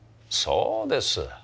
そうです。